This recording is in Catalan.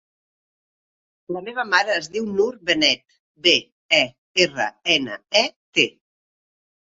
La meva mare es diu Nur Bernet: be, e, erra, ena, e, te.